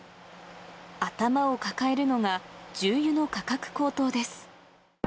頭を抱えるのが、重油の価格高騰です。